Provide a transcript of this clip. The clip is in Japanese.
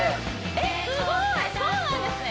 えっすごいそうなんですね